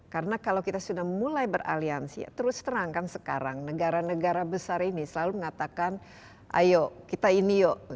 karena kalau kita sudah mulai beraliansi terus terangkan sekarang negara negara besar ini selalu mengatakan ayo kita ini yuk